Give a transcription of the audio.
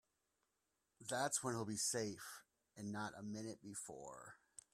That's when he'll be safe and not a minute before.